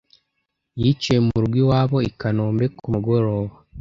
yiciwe mu rugo iwabo i Kanombe ku mugoroba